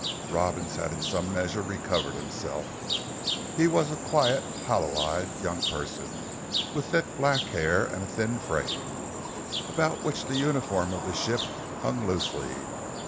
Robins had in some measure recovered himself. He was a quiet, hollow eyed young person, with thick black hair and a thin frame, about which the uniform of the ship hung loosely.